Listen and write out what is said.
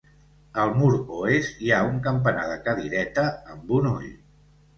Al mur oest hi ha campanar de cadireta amb un ull.